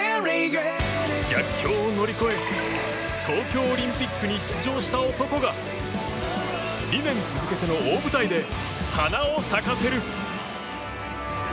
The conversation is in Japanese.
逆境を乗り越え東京オリンピックに出場した男が２年続けての大舞台で花を咲かせる。